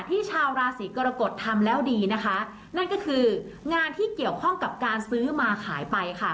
ชาวราศีกรกฎทำแล้วดีนะคะนั่นก็คืองานที่เกี่ยวข้องกับการซื้อมาขายไปค่ะ